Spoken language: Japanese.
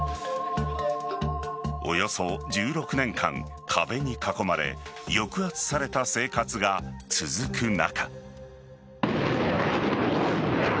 およそ１６年間、壁に囲まれ抑圧された生活が続く中。